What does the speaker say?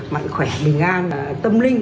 mạnh khỏe bình an tâm linh